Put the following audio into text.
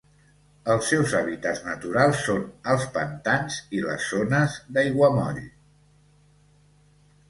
Els seus hàbitats naturals són els pantans i les zones d'aiguamoll.